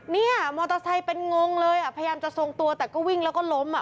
เนี่ยมอเตอร์ไซค์เป็นงงเลยอ่ะพยายามจะทรงตัวแต่ก็วิ่งแล้วก็ล้มอ่ะ